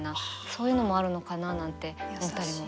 そういうのもあるのかななんて思ったりも。